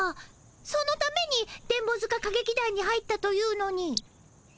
そのために電ボ塚歌劇団に入ったというのに。